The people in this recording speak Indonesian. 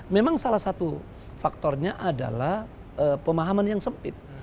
memang salah satu faktornya adalah pemahaman yang sempit